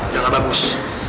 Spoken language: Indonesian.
udah gak bagus